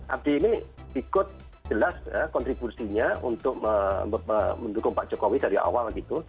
abdi ini ikut jelas kontribusinya untuk mendukung pak jokowi dari awal gitu